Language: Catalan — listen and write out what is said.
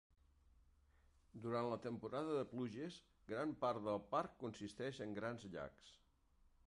Durant la temporada de pluges, gran part del parc consisteix en grans llacs.